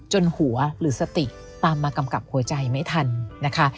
หัวหรือสติตามมากำกับหัวใจไม่ทันนะคะ